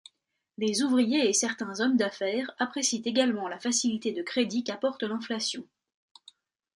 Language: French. Les ouvriers et certains hommes d'affaires apprécient également la facilité de crédit qu'apporte l'inflation.